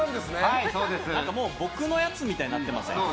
もう僕のやつみたいになってません？